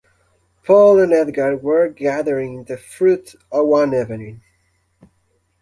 Paul and Edgar were gathering the fruit one evening.